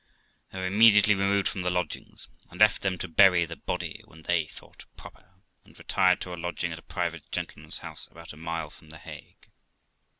I immediately removed from the lodgings, and left them to bury the body when they thought proper, and retired to a lodging at a private gentleman's house, about a mile from The Hague.